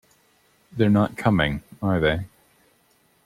They're not coming, are they?